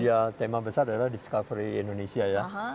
ya tema besar adalah discovery indonesia ya